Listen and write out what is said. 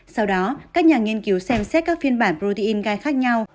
sau đó các nhà nghiên cứu xem xét các phiên bản protein gai khác nhau